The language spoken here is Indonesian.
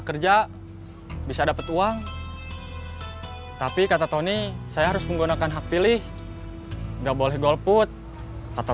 kerja bisa dapat uang tapi kata tony saya harus menggunakan hak pilih nggak boleh golput kata